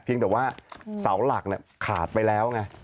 แต่ว่าเสาหลักขาดไปแล้วไง